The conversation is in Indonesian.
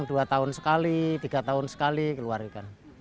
dua tahun sekali tiga tahun sekali keluar ikan